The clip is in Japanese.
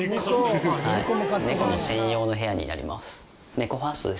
猫の専用の部屋になります。